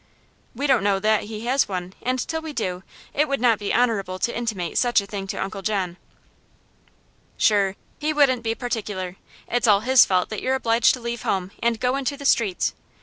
"We don't know that he has one, and till we do, it would not be honorable to intimate such a thing to Uncle John." "Shure, he wouldn't be particular. It's all his fault that you're obliged to leave home, and go into the streets.